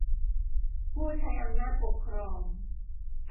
ผู้ใช้อำนาจปกครอง